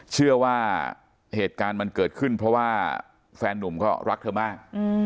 เชื่อว่าเหตุการณ์มันเกิดขึ้นเพราะว่าแฟนนุ่มก็รักเธอมาก